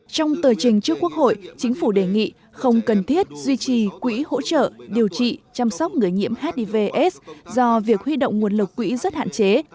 trong tờ trình trước quốc hội chính phủ đề nghị không cần thiết duy trì quỹ hỗ trợ điều trị chăm sóc người nhiễm hivs do việc huy động nguồn lực quỹ rất hạn chế